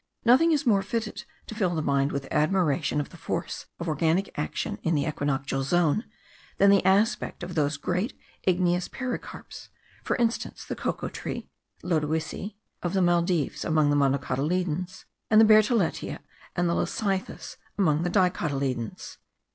Nothing is more fitted to fill the mind with admiration of the force of organic action in the equinoctial zone than the aspect of those great igneous pericarps, for instance, the cocoa tree (lodoicea) of the Maldives among the monocotyledons, and the bertholletia and the lecythis among the dicotyledons.